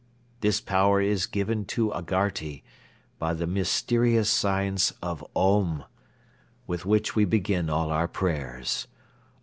This power is given to Agharti by the mysterious science of 'Om,' with which we begin all our prayers.